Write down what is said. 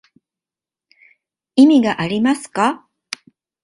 意味がありますか